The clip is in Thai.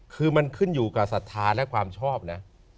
คือมันขึ้นอยู่กับศรัทธาและความชอบนะ